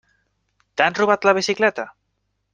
T'han robat la bicicleta?